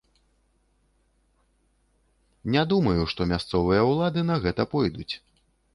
Не думаю, што мясцовыя ўлады на гэта пойдуць.